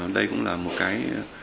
đây cũng là một cái